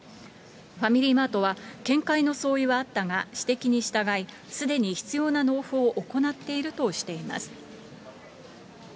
ファミリーマートは、見解の相違はあったが、指摘に従い、すでに必要な納付を行っているとしています。